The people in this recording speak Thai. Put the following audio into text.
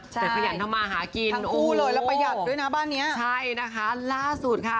ใช่ทั้งคู่เลยแล้วประหยัดด้วยนะบ้านนี้ใช่นะคะล่าสุดค่ะ